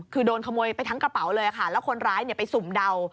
คือโดนขโมยไปทั้งกระเป๋าเลยค่ะแล้วคนร้ายไปสุ่มเดา